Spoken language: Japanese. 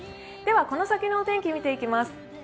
では、この先のお天気見ていきます。